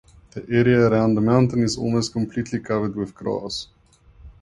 The area around the mountain is almost completely covered with grass.